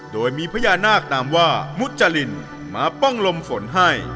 โดยมีพญานาคนามว่ามุจรินมาป้องลมฝนให้